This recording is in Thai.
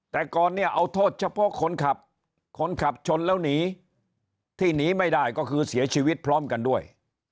แต่ก่อนเนี่ยเอาโทษเฉพาะคนขับคนขับชนแล้วหนีที่หนีไม่ได้ก็คือเสียชีวิตพร้อมกันด้วย